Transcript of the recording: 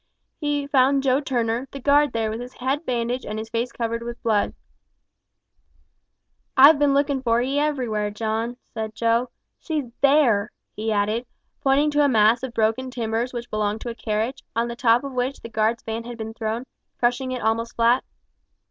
He found Joe Turner, the guard, there, with his head bandaged and his face covered with blood. "I've bin lookin' for 'ee everywhere, John," said Joe. "She's there!" he added, pointing to a mass of broken timbers which belonged to a carriage, on the top of which the guard's van had been thrown, crushing it almost flat.